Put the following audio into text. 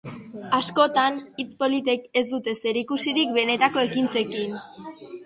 Askotan, hitz politek ez dute zerikusirik benetako ekintzekin.